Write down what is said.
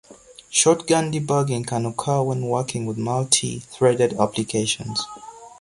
Shotgun debugging can occur when working with multi-threaded applications.